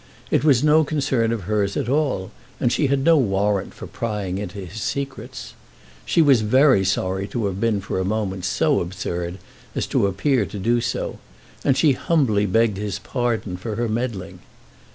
It was no concern of hers at all, and she had no warrant for prying into his secrets. She was very sorry to have been for a moment so absurd as to appear to do so, and she humbly begged his pardon for her meddling.